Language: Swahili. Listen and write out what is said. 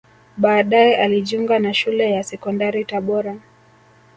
Baadae alijiunga na Shule ya Sekondari Tabora